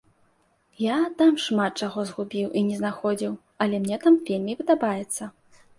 Я там шмат чаго згубіў і не знаходзіў, але мне там вельмі падабаецца.